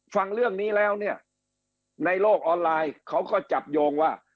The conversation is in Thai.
ฟังเรื่องนี้แล้วเนี่ยในโลกออนไลน์เขาก็จับโยงว่า